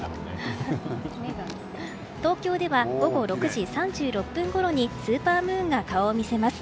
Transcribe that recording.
東京では午後６時３６分ごろにスーパームーンが顔を見せます。